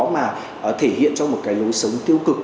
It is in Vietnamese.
mà thể hiện trong một cái lối sống tiêu cực